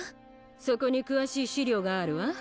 そこに詳しい資料があるわ。